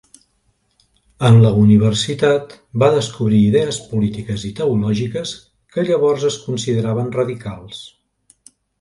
En la universitat va descobrir idees polítiques i teològiques que llavors es consideraven radicals.